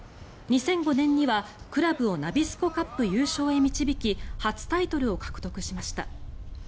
２００５年にはクラブをナビスコカップ優勝へ導き初タイトルを獲得しました。